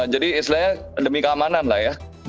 jadi istilahnya demi keamanan lah ya